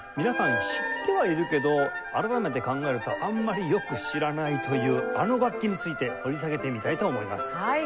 皆さん知ってはいるけど改めて考えるとあんまりよく知らないというあの楽器について掘り下げてみたいと思います。